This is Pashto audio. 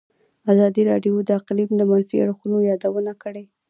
ازادي راډیو د اقلیم د منفي اړخونو یادونه کړې.